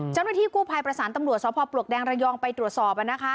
เจ้าหน้าที่กู้ภัยประสานตำรวจสพปลวกแดงระยองไปตรวจสอบ